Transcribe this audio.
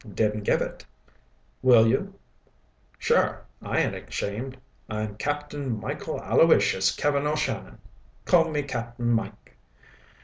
"Didn't give it." "Will you?" "Sure. I ain't ashamed. I'm Captain Michael Aloysius Kevin O'Shannon. Call me Cap'n Mike."